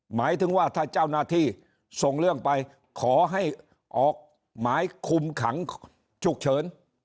หมายถึงว่าถ้าเจ้าหน้าที่ส่งเรื่องไปขอให้ออกหมายคุมขังฉุกเฉิน